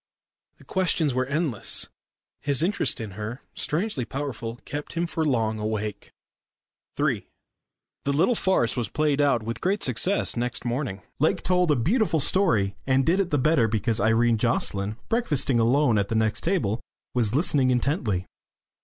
The questions were endless. His interest in her, strangely powerful, kept him for long awake. III The little farce was played out with great success next morning. Lake told a beautiful story, and did it the better because Irene Jocelyn, breakfasting alone at the next table, was listening intently.